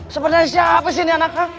sebenarnya siapa sih ini anaknya